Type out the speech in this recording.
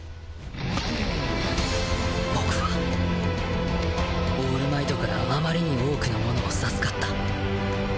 僕はオールマイトからあまりに多くのものを授かった